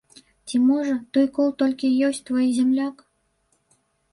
Ці, можа, той кол толькі ёсць твой зямляк?